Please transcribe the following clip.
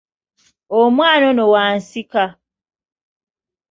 Omwana ono wa nsika.